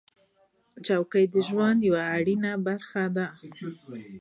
چوکۍ د ژوند یوه اړینه برخه ده.